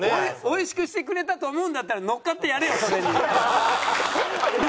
おいしくしてくれたと思うんだったらのっかってやれよそれに。